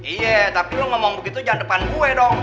iya tapi lo ngomong begitu jangan depan gue dong